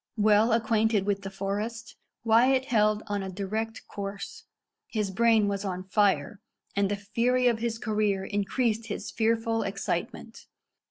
Well acquainted with the forest, Wyat held on a direct course. His brain was on fire, and the fury of his career increased his fearful excitement.